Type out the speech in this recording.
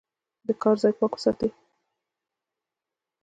د کار ځای پاک وساتئ.